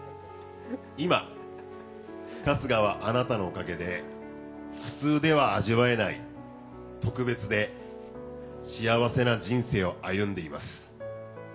今、春日はあなたのおかげで普通では味わえない特別で幸せな人生を歩んでいます。